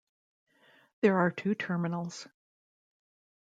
There are two terminals.